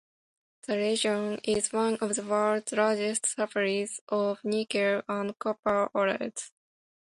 The region is one of the world's largest suppliers of nickel and copper ores.